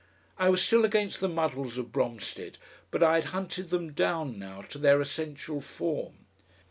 I was still against the muddles of Bromstead, but I had hunted them down now to their essential form.